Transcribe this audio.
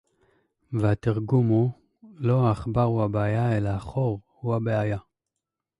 והתרגום הוא: לא העכבר הוא הבעיה אלא החור הוא הבעיה